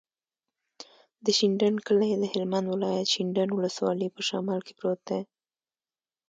د شینډنډ کلی د هلمند ولایت، شینډنډ ولسوالي په شمال کې پروت دی.